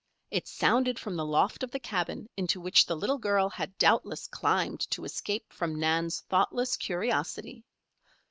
It sounded from the loft of the cabin, into which the little girl had doubtless climbed to escape from Nan's thoughtless curiosity.